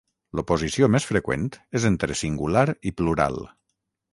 L'oposició més freqüent és entre singular i plural.